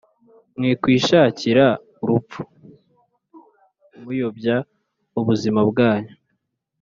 Mwikwishakira urupfu muyobya ubuzima bwanyu,